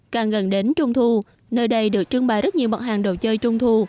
càng gần đến trung thu nơi đây được trưng bày rất nhiều mặt hàng đồ chơi trung thu